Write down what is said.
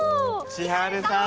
千晴さん。